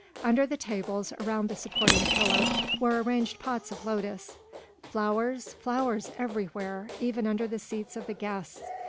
Under the tables, around the supporting pillar, were arranged pots of lotus. Flowers, flowers everywhere, even under the seats of the guests!